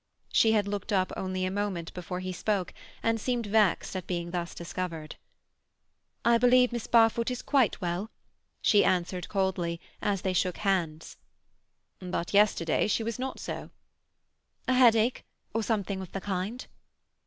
She had looked up only a moment before he spoke, and seemed vexed at being thus discovered. "I believe Miss Barfoot is quite well," she answered coldly, as they shook hands. "But yesterday she was not so." "A headache, or something of the kind."